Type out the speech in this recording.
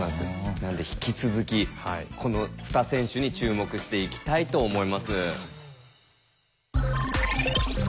なので引き続きこの２選手に注目していきたいと思います。